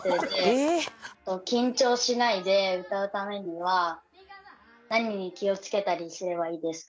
緊張しないで歌うためには何に気をつけたりすればいいですか？